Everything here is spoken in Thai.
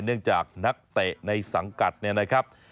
เนื่องจากนักเตะในสังกัดเนี่ยนะครับ